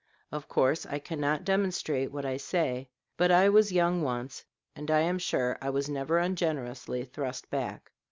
Of course, I cannot demonstrate what I say; but I was young once, and I am sure I was never ungenerously thrust back."